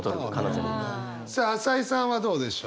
さあ朝井さんはどうでしょう？